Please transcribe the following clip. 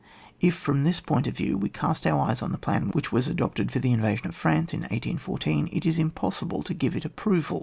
If, from this point of view, we cast our eyes on the plan which was adopted for the invasion of France iu 1814, it is impossible to give it approval.